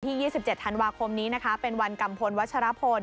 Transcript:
๒๗ธันวาคมนี้นะคะเป็นวันกัมพลวัชรพล